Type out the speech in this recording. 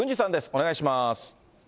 お願いします。